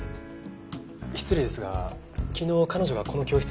失礼ですが昨日彼女がこの教室に来ませんでしたか？